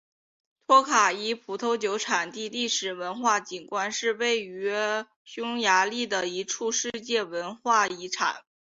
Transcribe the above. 托卡伊葡萄酒产地历史文化景观是位于匈牙利的一处世界文化遗产。